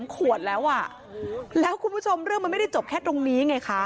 ขวดแล้วอ่ะแล้วแล้วคุณผู้ชมเรื่องมันไม่ได้จบแค่ตรงนี้ไงคะ